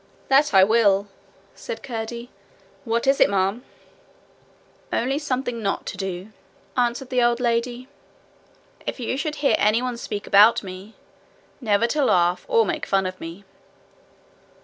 'That I will!' said Curdie. 'What is it, ma'am?' 'Only something not to do,' answered the old lady; 'if you should hear anyone speak about me, never to laugh or make fun of me.'